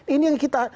ini yang kita